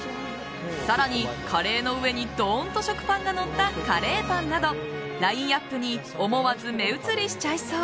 更に、カレーの上にドーンと食パンがのったカレーパンなど、ラインアップに思わず目移りしちゃいそう。